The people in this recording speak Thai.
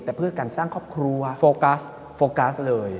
แต่เพื่อการสร้างครอบครัวโฟกัสโฟกัสเลย